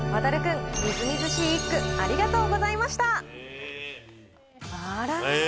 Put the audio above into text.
航君、みずみずしい一句、ありがとうございました。